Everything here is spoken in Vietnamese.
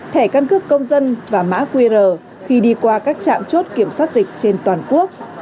thẻ căn cước công dân và mã qr khi đi qua các trạm chốt kiểm soát dịch trên toàn quốc